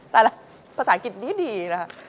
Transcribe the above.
ไปแล้วภาษาอังกฤษนี่ดีนะ